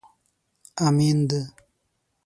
امېند